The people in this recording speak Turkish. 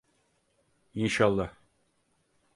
İnşallah…